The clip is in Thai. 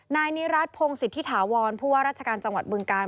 นายนี้ราชพงศ์สิทธิถาวรพูดว่าราชการจังหวัดบึงการ